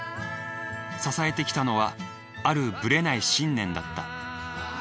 支えてきたのはあるブレない信念だった。